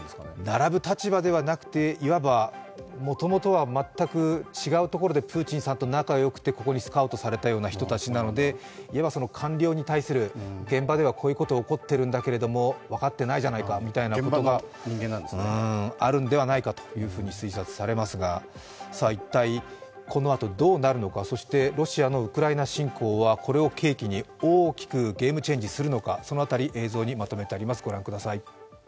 並ぶ立場ではなくて、もともとは、全く違うところでプーチンさんと仲が良くてここにスカウトされたような人たちなので、官僚に対する現場では、こういうこと起こってるんだけども分かってないじゃないかみたいなことがあるんではないかというふうに推察されますが、一体、このあとどうなるのかそして、ロシアのウクライナ侵攻はこれを契機に大きくゲームチェンジするのかその辺り映像にまとめてあります。